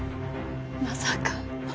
まさか？